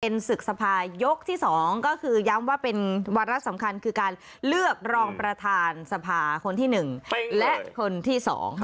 ศึกสภายกที่๒ก็คือย้ำว่าเป็นวาระสำคัญคือการเลือกรองประธานสภาคนที่๑และคนที่๒ค่ะ